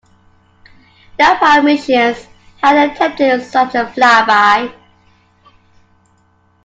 No prior missions had attempted such a flyby.